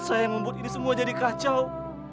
saya membuat ini semua jadi kacau